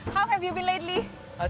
bagaimana keadaan anda